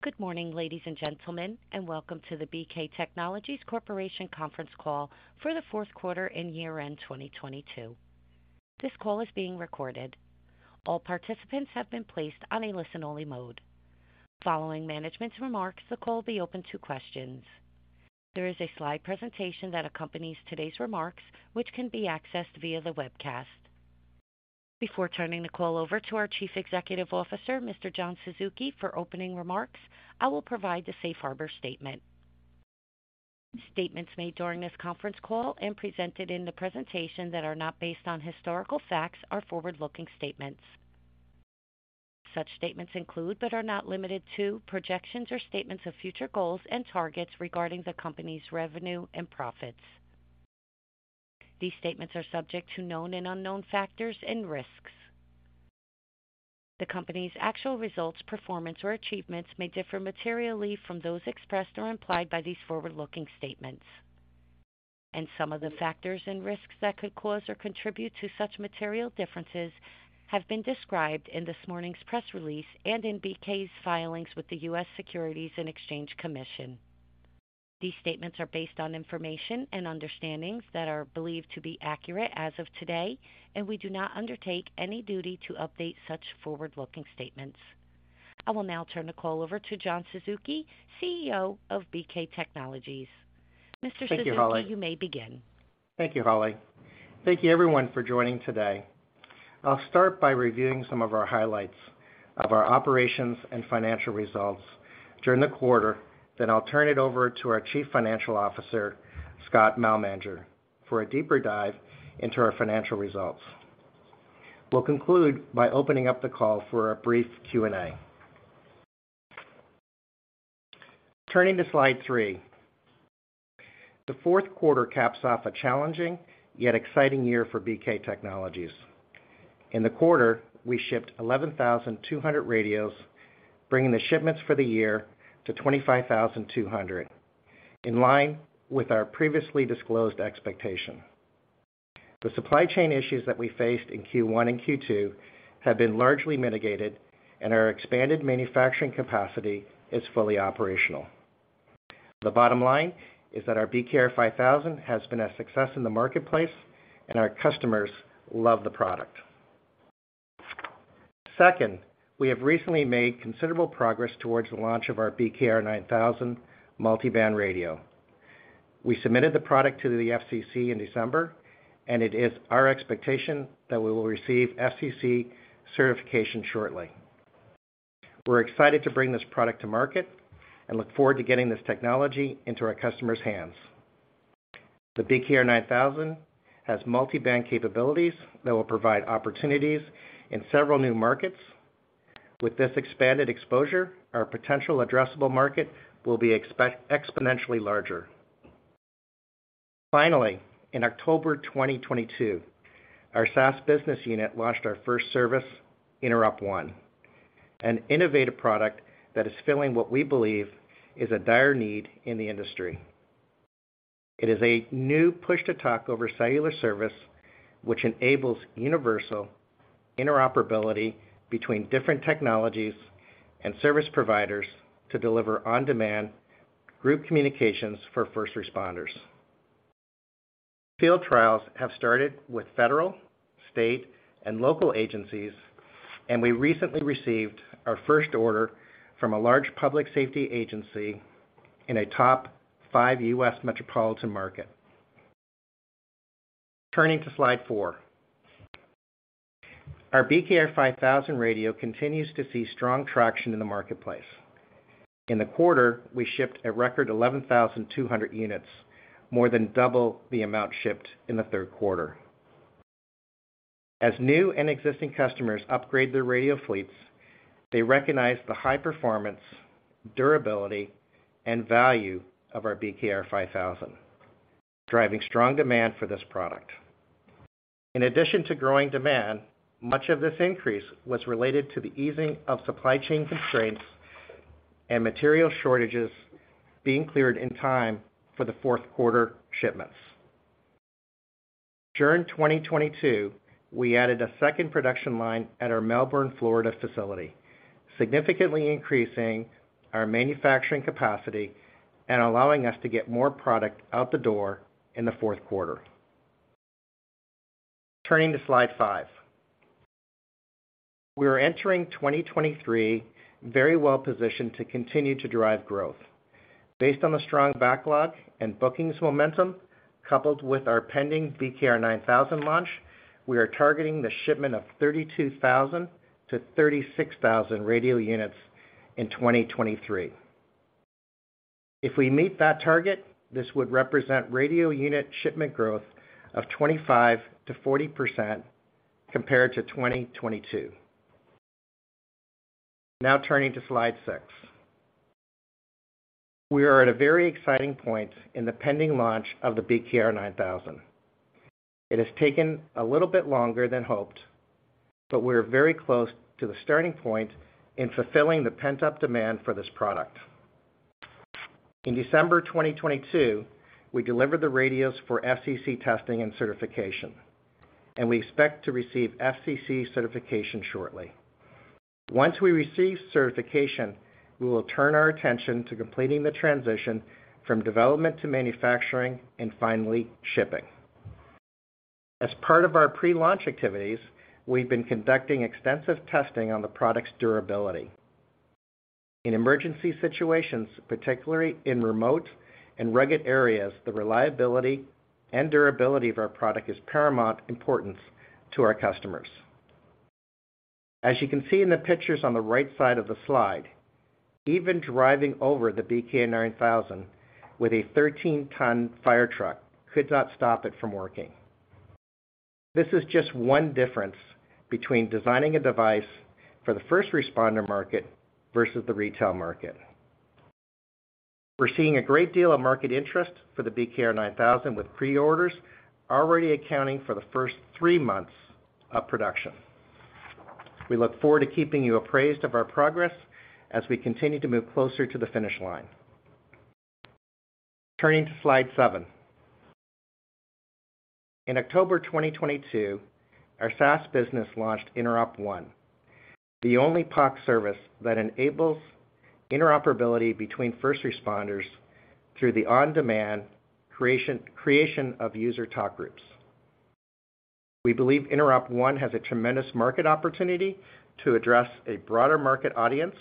Good morning, ladies and gentlemen, and welcome to the BK Technologies Corporation Conference Call for the Fourth Quarter and Year-End 2022. This call is being recorded. All participants have been placed on a listen-only mode. Following management's remarks, the call will be open to questions. There is a slide presentation that accompanies today's remarks, which can be accessed via the webcast. Before turning the call over to our Chief Executive Officer, Mr. John Suzuki, for opening remarks, I will provide the Safe Harbor statement. Statements made during this conference call and presented in the presentation that are not based on historical facts are forward-looking statements. Such statements include, but are not limited to, projections or statements of future goals and targets regarding the company's revenue and profits. These statements are subject to known and unknown factors and risks. The company's actual results, performance, or achievements may differ materially from those expressed or implied by these forward-looking statements. Some of the factors and risks that could cause or contribute to such material differences have been described in this morning's press release and in BK's filings with the U.S. Securities and Exchange Commission. These statements are based on information and understandings that are believed to be accurate as of today, and we do not undertake any duty to update such forward-looking statements. I will now turn the call over to John Suzuki, CEO of BK Technologies. Mr. Suzuki, you may begin. Thank you, Holly. Thank you everyone for joining today. I'll start by reviewing some of our highlights of our operations and financial results during the quarter, then I'll turn it over to our Chief Financial Officer, Scott Malmanger, for a deeper dive into our financial results. We'll conclude by opening up the call for a brief Q&A. Turning to slide three. The fourth quarter caps off a challenging yet exciting year for BK Technologies. In the quarter, we shipped 11,200 radios, bringing the shipments for the year to 25,200, in line with our previously disclosed expectation. The supply chain issues that we faced in Q1 and Q2 have been largely mitigated, and our expanded manufacturing capacity is fully operational. The bottom line is that our BKR5000 has been a success in the marketplace, and our customers love the product. We have recently made considerable progress towards the launch of our BKR9000 multiband radio. We submitted the product to the FCC in December. It is our expectation that we will receive FCC certification shortly. We're excited to bring this product to market and look forward to getting this technology into our customers' hands. The BKR9000 has multiband capabilities that will provide opportunities in several new markets. With this expanded exposure, our potential addressable market will be exponentially larger. Finally, in October 2022, our SaaS business unit launched our first service, InteropONE, an innovative product that is filling what we believe is a dire need in the industry. It is a new push-to-talk over cellular service, which enables universal interoperability between different technologies and service providers to deliver on-demand group communications for first responders. Field trials have started with federal, state, and local agencies. We recently received our first order from a large public safety agency in a top five U.S. metropolitan market. Turning to slide 4. Our BKR5000 radio continues to see strong traction in the marketplace. In the quarter, we shipped a record 11,200 units, more than double the amount shipped in the third quarter. As new and existing customers upgrade their radio fleets, they recognize the high performance, durability, and value of our BKR5000, driving strong demand for this product. In addition to growing demand, much of this increase was related to the easing of supply chain constraints and material shortages being cleared in time for the fourth quarter shipments. During 2022, we added a second production line at our Melbourne, Florida facility, significantly increasing our manufacturing capacity and allowing us to get more product out the door in the fourth quarter. Turning to slide 5. We are entering 2023 very well-positioned to continue to drive growth. Based on the strong backlog and bookings momentum, coupled with our pending BKR9000 launch, we are targeting the shipment of 32,000–36,000 radio units in 2023. If we meet that target, this would represent radio unit shipment growth of 25%-40% compared to 2022. Turning to slide 6. We are at a very exciting point in the pending launch of the BKR9000. It has taken a little bit longer than hoped, but we're very close to the starting point in fulfilling the pent-up demand for this product. In December 2022, we delivered the radios for FCC testing and certification, and we expect to receive FCC certification shortly. Once we receive certification, we will turn our attention to completing the transition from development to manufacturing and finally shipping. As part of our pre-launch activities, we've been conducting extensive testing on the product's durability. In emergency situations, particularly in remote and rugged areas, the reliability and durability of our product is paramount importance to our customers. As you can see in the pictures on the right side of the slide, even driving over the BKR9000 with a 13-ton fire truck could not stop it from working. This is just one difference between designing a device for the first responder market versus the retail market. We're seeing a great deal of market interest for the BKR9000, with pre-orders already accounting for the first three months of production. We look forward to keeping you appraised of our progress as we continue to move closer to the finish line. Turning to slide seven. In October 2022, our SaaS business launched InteropONE, the only POC service that enables interoperability between first responders through the on-demand creation of user talk groups. We believe InteropONE has a tremendous market opportunity to address a broader market audience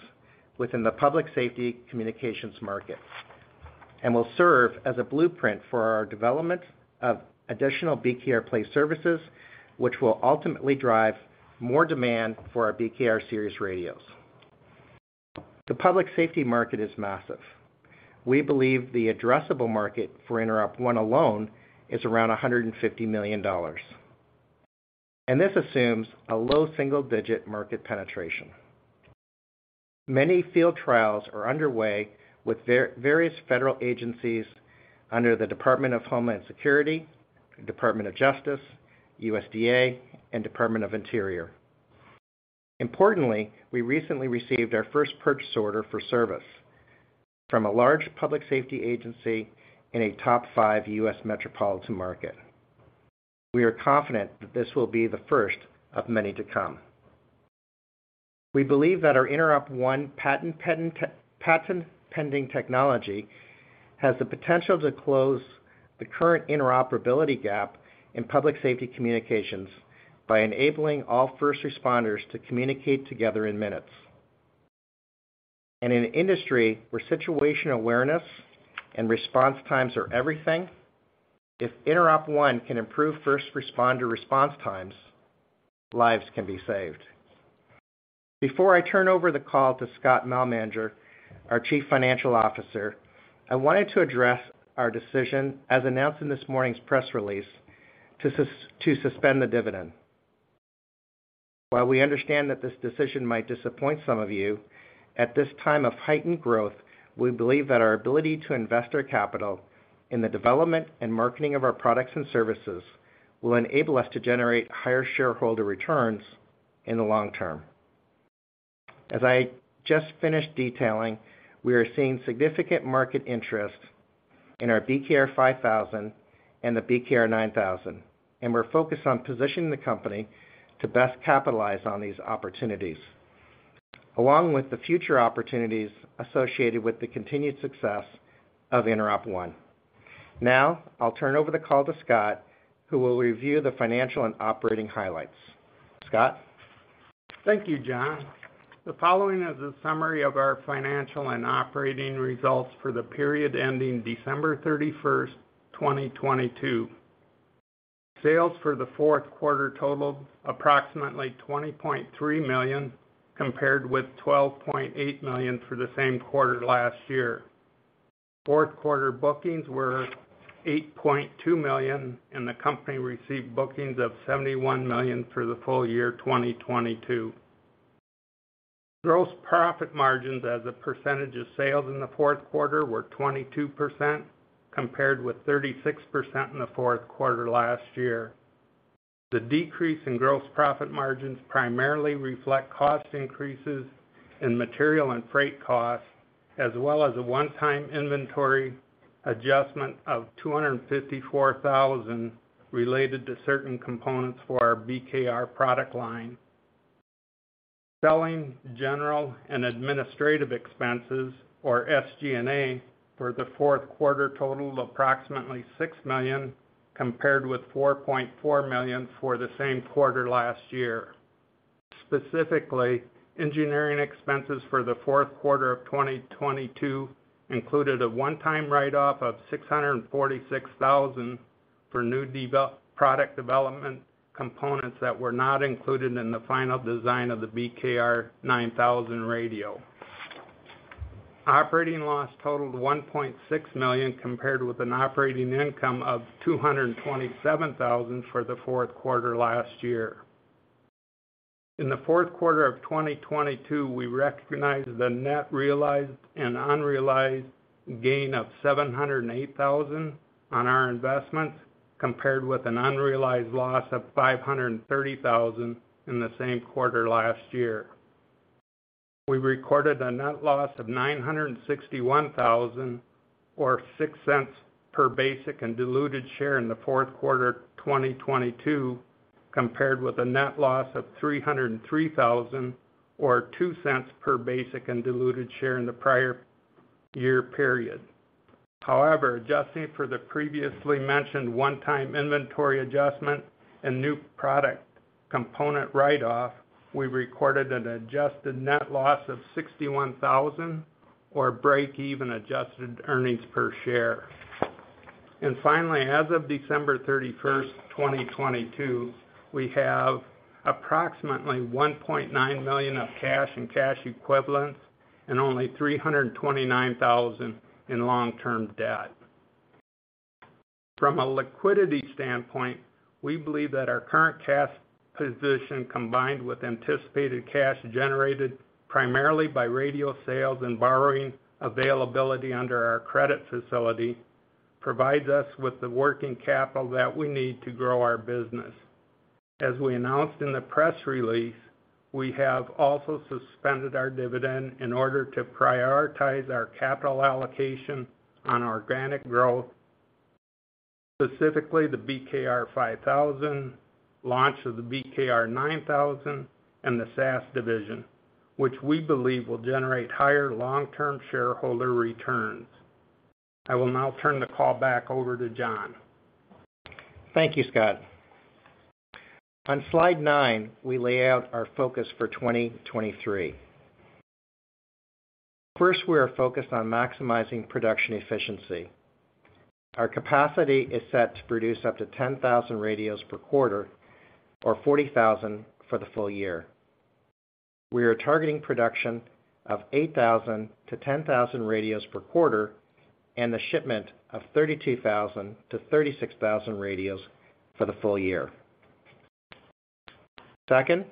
within the public safety communications market, will serve as a blueprint for our development of additional BKRplay services, which will ultimately drive more demand for our BKR series radios. The public safety market is massive. We believe the addressable market for InteropONE alone is around $150 million, This assumes a low single-digit market penetration. Many field trials are underway with various federal agencies under the Department of Homeland Security, Department of Justice, USDA, and Department of the Interior. Importantly, we recently received our first purchase order for service from a large public safety agency in a top five U.S. metropolitan market. We are confident that this will be the first of many to come. We believe that our InteropONE patent pending technology has the potential to close the current interoperability gap in public safety communications by enabling all first responders to communicate together in minutes. In an industry where situation awareness and response times are everything, if InteropONE can improve first responder response times, lives can be saved. Before I turn over the call to Scott Malmanger, our Chief Financial Officer, I wanted to address our decision, as announced in this morning's press release, to suspend the dividend. While we understand that this decision might disappoint some of you, at this time of heightened growth, we believe that our ability to invest our capital in the development and marketing of our products and services will enable us to generate higher shareholder returns in the long term. As I just finished detailing, we are seeing significant market interest in our BKR5000 and the BKR9000. We're focused on positioning the company to best capitalize on these opportunities, along with the future opportunities associated with the continued success of InteropONE. I'll turn over the call to Scott, who will review the financial and operating highlights. Scott? Thank you, John. The following is a summary of our financial and operating results for the period ending December 31st, 2022. Sales for the fourth quarter totaled approximately $20.3 million, compared with $12.8 million for the same quarter last year. Fourth quarter bookings were $8.2 million, and the company received bookings of $71 million for the full year 2022. Gross profit margins as a percentage of sales in the fourth quarter were 22%, compared with 36% in the fourth quarter last year. The decrease in gross profit margins primarily reflect cost increases in material and freight costs, as well as a one-time inventory adjustment of $254,000 related to certain components for our BKR product line. Selling, general, and administrative expenses, or SG&A, for the fourth quarter totaled approximately $6 million, compared with $4.4 million for the same quarter last year. Specifically, engineering expenses for the fourth quarter of 2022 included a one-time write off of $646,000 for product development components that were not included in the final design of the BKR9000 radio. Operating loss totaled $1.6 million, compared with an operating income of $227,000 for the fourth quarter last year. In the fourth quarter of 2022, we recognized the net realized and unrealized gain of $708,000 on our investments, compared with an unrealized loss of $530,000 in the same quarter last year. We recorded a net loss of $961,000 or $0.06 per basic and diluted share in the fourth quarter 2022, compared with a net loss of $303,000 or $0.02 per basic and diluted share in the prior year period. Adjusting for the previously mentioned one-time inventory adjustment and new product component write-off, we recorded an adjusted net loss of $61,000 or breakeven adjusted earnings per share. Finally, as of December 31st, 2022, we have approximately $1.9 million of cash and cash equivalents and only $329,000 in long-term debt. From a liquidity standpoint, we believe that our current cash position, combined with anticipated cash generated primarily by radio sales and borrowing availability under our credit facility, provides us with the working capital that we need to grow our business. As we announced in the press release, we have also suspended our dividend in order to prioritize our capital allocation on organic growth, specifically the BKR5000, launch of the BKR9000, and the SaaS division, which we believe will generate higher long-term shareholder returns. I will now turn the call back over to John. Thank you, Scott. On slide 9, we lay out our focus for 2023. First, we are focused on maximizing production efficiency. Our capacity is set to produce up to 10,000 radios per quarter or 40,000 for the full year. We are targeting production of 8,000–10,000 radios per quarter and the shipment of 32,000–36,000 radios for the full year. Second,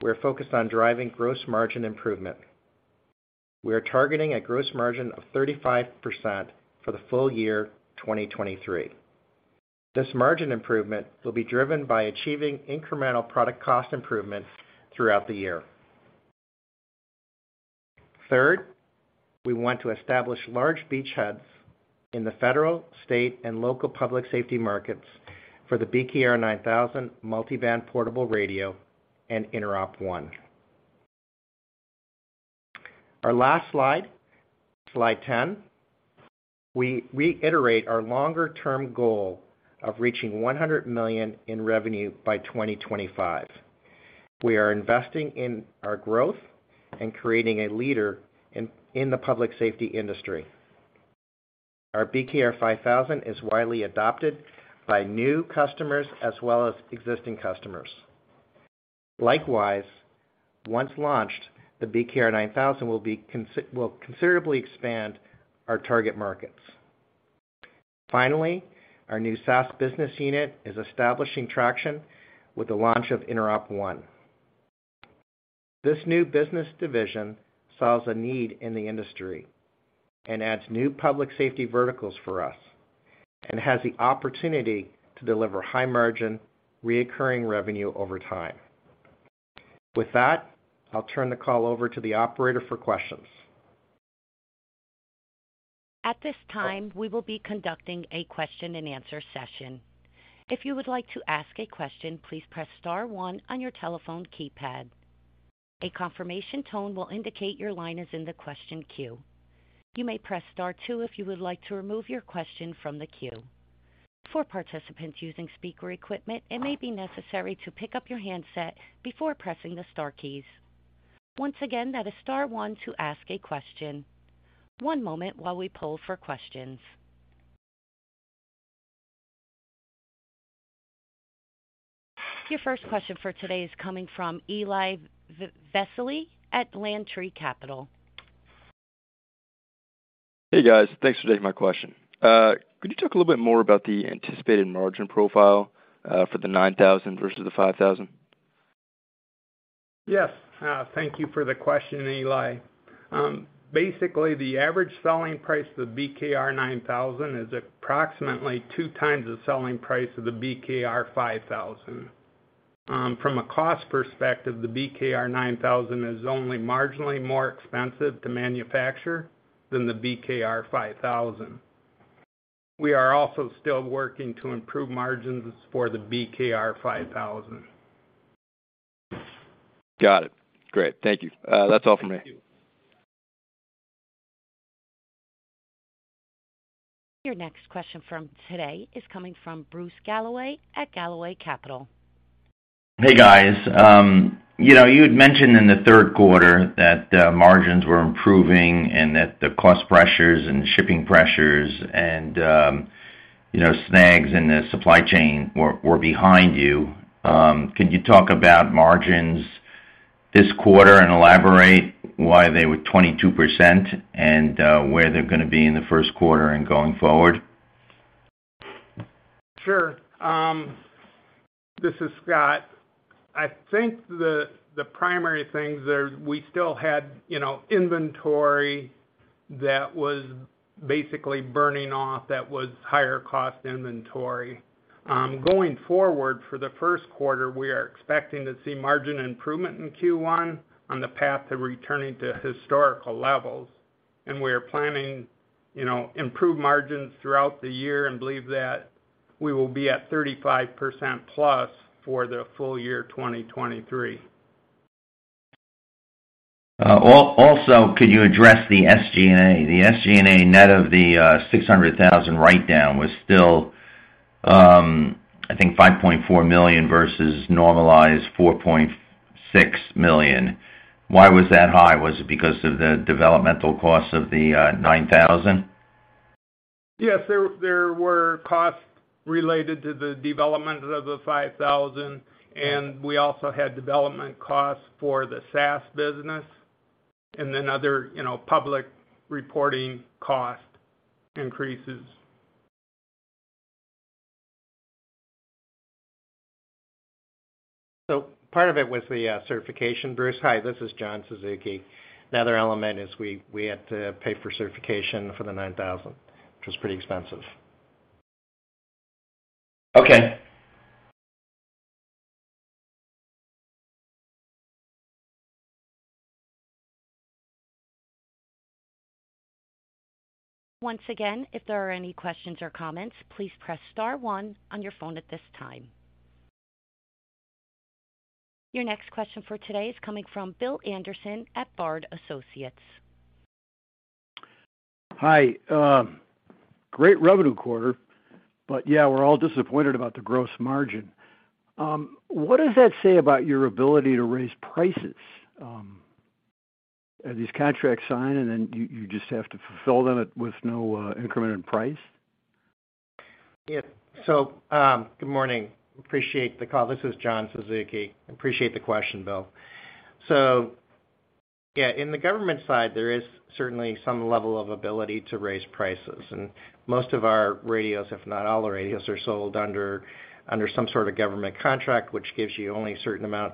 we're focused on driving gross margin improvement. We are targeting a gross margin of 35% for the full year, 2023. This margin improvement will be driven by achieving incremental product cost improvements throughout the year. Third, we want to establish large beachheads in the federal, state, and local public safety markets for the BKR9000 multiband portable radio and InteropONE. Our last slide 10. We reiterate our longer-term goal of reaching $100 million in revenue by 2025. We are investing in our growth and creating a leader in the public safety industry. Our BKR5000 is widely adopted by new customers as well as existing customers. Likewise, once launched, the BKR9000 will considerably expand our target markets. Finally, our new SaaS business unit is establishing traction with the launch of InteropONE. This new business division solves a need in the industry and adds new public safety verticals for us and has the opportunity to deliver high margin reoccurring revenue over time. With that, I'll turn the call over to the operator for questions. At this time, we will be conducting a question and answer session. If you would like to ask a question, please press star one on your telephone keypad. A confirmation tone will indicate your line is in the question queue. You may press star two if you would like to remove your question from the queue. For participants using speaker equipment, it may be necessary to pick up your handset before pressing the star keys. Once again, that is star one to ask a question. One moment while we pull for questions. Your first question for today is coming from Eli Vesely at Lantree Capital. Hey, guys. Thanks for taking my question. Could you talk a little bit more about the anticipated margin profile, for the 9000 versus the 5000? Yes. Thank you for the question, Eli. Basically, the average selling price of the BKR9000 is approximately 2x the selling price of the BKR5000. From a cost perspective, the BKR9000 is only marginally more expensive to manufacture than the BKR5000. We are also still working to improve margins for the BKR 5000. Got it. Great. Thank you. That's all for me. Your next question from today is coming from Bruce Galloway at Galloway Capital. Hey, guys. You know, you had mentioned in the third quarter that margins were improving and that the cost pressures and shipping pressures and, snags in the supply chain were behind you. Could you talk about margins this quarter and elaborate why they were 22% and where they're gonna be in the first quarter and going forward? Sure. This is Scott. I think the primary things are we still had inventory that was basically burning off, that was higher cost inventory. Going forward for the first quarter, we are expecting to see margin improvement in Q1 on the path to returning to historical levels. We are planning improved margins throughout the year and believe that we will be at 35%+ for the full year 2023. Also, could you address the SG&A? The SG&A net of the $600,000 write-down was still, I think $5.4 million versus normalized $4.6 million. Why was that high? Was it because of the developmental cost of the 9000? Yes. There were costs related to the development of the BKR5000. We also had development costs for the SaaS business and then other public reporting cost increases. Part of it was the certification, Bruce. Hi, this is John Suzuki. The other element is we had to pay for certification for the 9000, which was pretty expensive. Okay. Once again, if there are any questions or comments, please press star one on your phone at this time. Your next question for today is coming from Bill Anderson at Bard Associates. Hi. Great revenue quarter, but yeah, we're all disappointed about the gross margin. What does that say about your ability to raise prices? Are these contracts signed and then you just have to fulfill them with no increment in price? Yeah. Good morning. Appreciate the call. This is John Suzuki. Appreciate the question, Bill. Yeah, in the government side, there is certainly some level of ability to raise prices, and most of our radios, if not all the radios, are sold under some sort of government contract, which gives you only a certain amount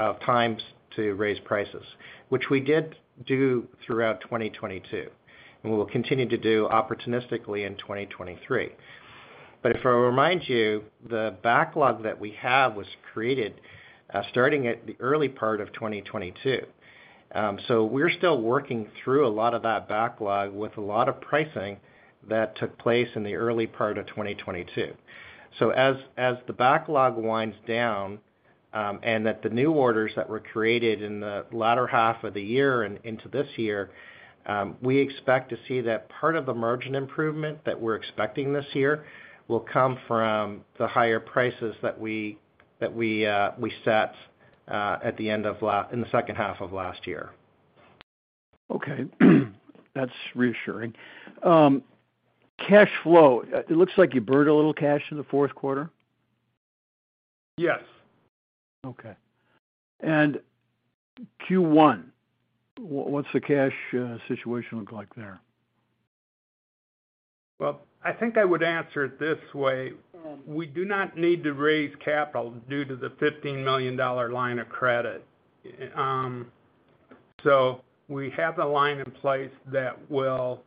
of times to raise prices, which we did do throughout 2022, and we will continue to do opportunistically in 2023. If I remind you, the backlog that we have was created, starting at the early part of 2022. We're still working through a lot of that backlog with a lot of pricing that took place in the early part of 2022. As the backlog winds down, and that the new orders that were created in the latter half of the year and into this year, we expect to see that part of the margin improvement that we're expecting this year will come from the higher prices that we set in the second half of last year. Okay. That's reassuring. cash flow. It looks like you burned a little cash in the fourth quarter. Yes. Okay. Q1, what's the cash situation look like there? Well, I think I would answer it this way. We do not need to raise capital due to the $15 million line of credit. We have a line in place that will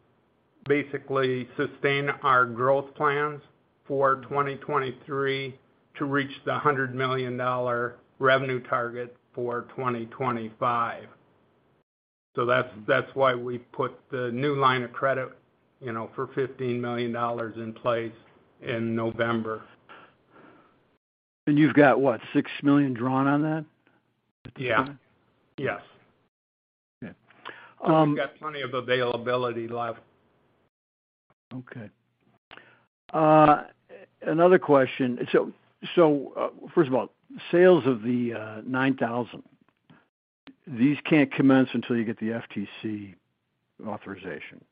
basically sustain our growth plans for 2023 to reach the $100 million revenue target for 2025. That's why we put the new line of credit, you know, for $15 million in place in November. You've got, what, $6 million drawn on that? Yeah. Yes. Okay. We've got plenty of availability left. Okay. Another question. First of all, sales of the 9000, these can't commence until you get the FCC authorization.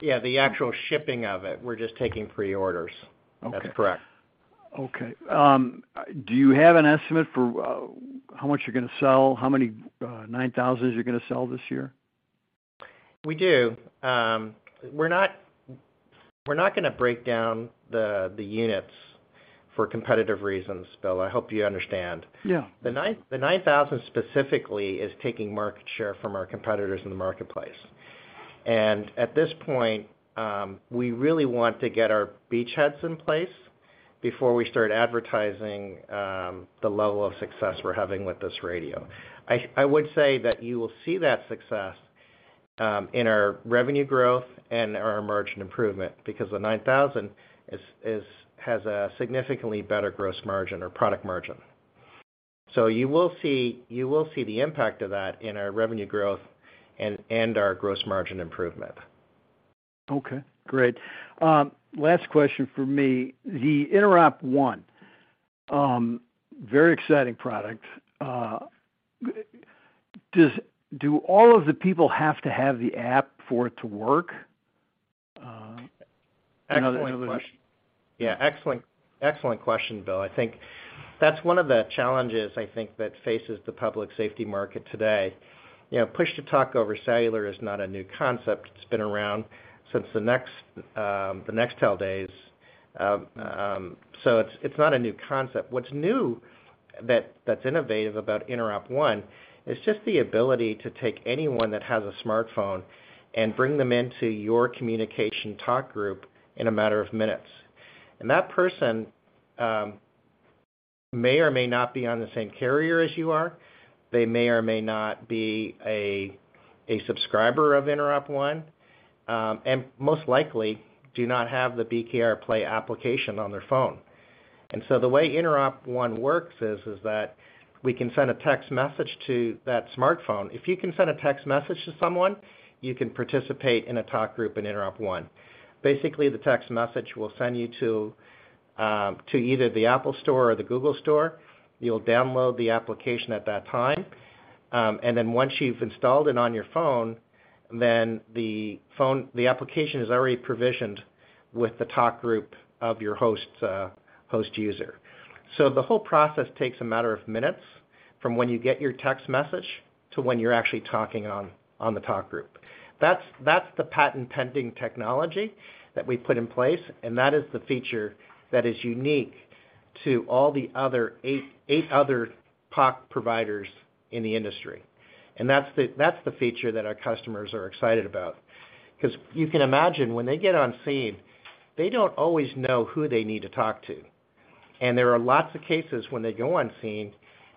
Yeah, the actual shipping of it, we're just taking pre-orders. Okay. That's correct. Okay. Do you have an estimate for how much you're gonna sell? How many 9000s you're gonna sell this year? We do. We're not gonna break down the units for competitive reasons, Bill. I hope you understand. Yeah. The 9000 specifically is taking market share from our competitors in the marketplace. At this point, we really want to get our beachheads in place before we start advertising the level of success we're having with this radio. I would say that you will see that success in our revenue growth and our margin improvement because the 9000 is has a significantly better gross margin or product margin. You will see the impact of that in our revenue growth and our gross margin improvement. Okay, great. Last question for me. The InteropONE, very exciting product. Do all of the people have to have the app for it to work? Excellent question. Yeah, excellent question, Bill. I think that's one of the challenges I think that faces the public safety market today. You know, Push-To-Talk Over Cellular is not a new concept. It's been around since the Nextel days. It's not a new concept. What's new that's innovative about InteropONE is just the ability to take anyone that has a smartphone and bring them into your communication talk group in a matter of minutes. That person may or may not be on the same carrier as you are. They may or may not be a subscriber of InteropONE and most likely do not have the BKRplay application on their phone. The way InteropONE works is that we can send a text message to that smartphone. If you can send a text message to someone, you can participate in a talk group in InteropONE. Basically, the text message will send you to either the App Store or the Google Play Store. You'll download the application at that time. Once you've installed it on your phone, the application is already provisioned with the talk group of your host user. The whole process takes a matter of minutes from when you get your text message to when you're actually talking on the talk group. That's the patent-pending technology that we put in place, and that is the feature that is unique to all the other eight other PoC providers in the industry. That's the feature that our customers are excited about. 'Cause you can imagine when they get on scene, they don't always know who they need to talk to. There are lots of cases when they go on scene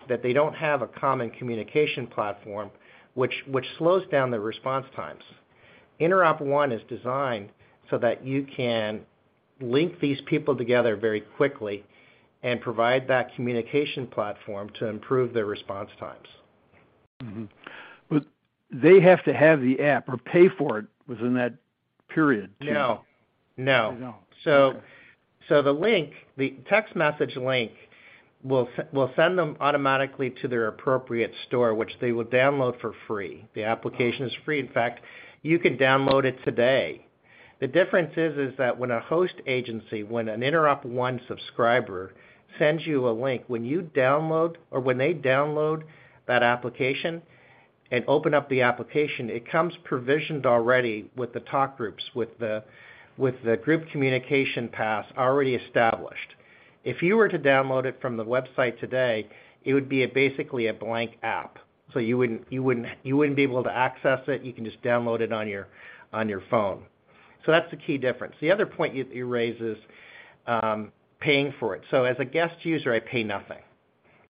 that they don't have a common communication platform, which slows down the response times. InteropONE is designed so that you can link these people together very quickly and provide that communication platform to improve their response times. They have to have the app or pay for it within that period. No. No. They don't. The link, the text message link will send them automatically to their appropriate store, which they will download for free. The application is free. In fact, you can download it today. The difference is that when a host agency, when an InteropONE subscriber sends you a link, when you download or when they download that application and open up the application, it comes provisioned already with the talk groups, with the group communication paths already established. If you were to download it from the website today, it would be basically a blank app. You wouldn't be able to access it. You can just download it on your phone. That's the key difference. The other point you raise is paying for it. As a guest user, I pay nothing,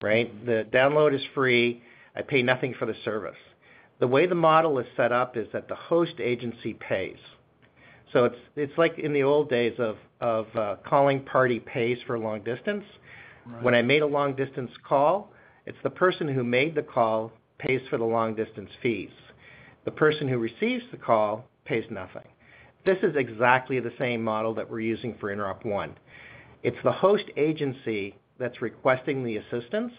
right? The download is free. I pay nothing for the service. The way the model is set up is that the host agency pays. It's like in the old days of calling party pays for long distance. When I made a long-distance call, it's the person who made the call pays for the long-distance fees. The person who receives the call pays nothing. This is exactly the same model that we're using for InteropONE. It's the host agency that's requesting the assistance.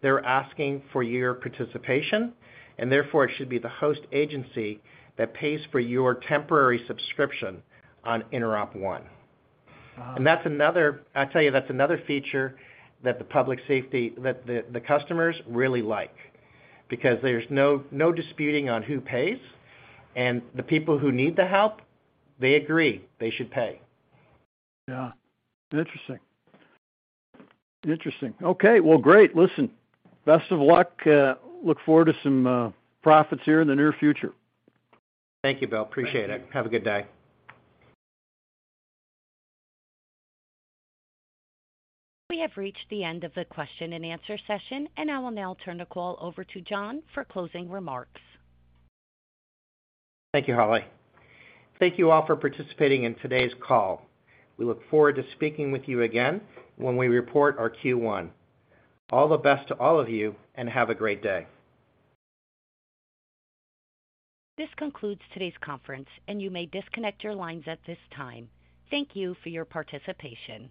They're asking for your participation, and therefore, it should be the host agency that pays for your temporary subscription on InteropONE.I tell you, that's another feature that the public safety, that the customers really like because there's no disputing on who pays. The people who need the help, they agree they should pay. Yeah. Interesting. Interesting. Okay. Well, great. Listen, best of luck. Look forward to some profits here in the near future. Thank you, Bill. Appreciate it. Have a good day. We have reached the end of the question and answer session, and I will now turn the call over to John for closing remarks. Thank you, Holly. Thank you all for participating in today's call. We look forward to speaking with you again when we report our Q1. All the best to all of you. Have a great day. This concludes today's conference, and you may disconnect your lines at this time. Thank you for your participation.